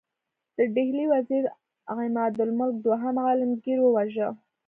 د ډهلي وزیر عمادالملک دوهم عالمګیر وواژه.